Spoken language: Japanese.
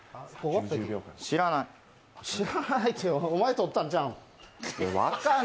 お前、取ったんちゃうん？